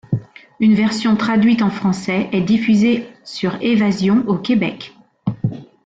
Une version traduite en français est diffusée sur Évasion au Québec.